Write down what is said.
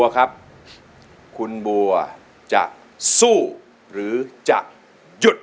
ครับคุณบัวจะสู้หรือจะหยุด